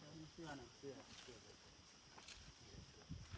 ไม่เอาแต่แบบนี้